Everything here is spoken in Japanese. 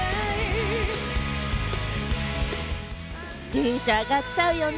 テンション上がっちゃうよね。